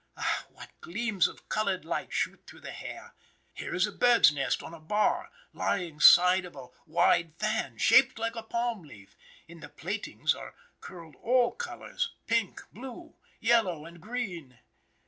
Ah, what gleams of colored light shoot through the hair! Here is a bird's nest on a bar, lying side of a wide fan, shaped like a palm leaf; in the plaitings are curled all colors, pink, blue, yellow, and green.